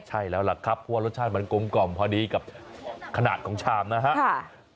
ใช่แล้วล่ะครับเพราะว่ารสชาติมันกลมกล่อมพอดีกับขนาดของชามนะครับ